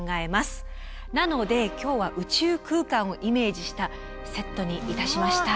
なので今日は宇宙空間をイメージしたセットにいたしました。